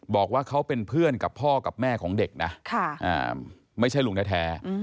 บอกว่าเขาเป็นเพื่อนกับพ่อกับแม่ของเด็กนะไม่ใช่ลุงแท้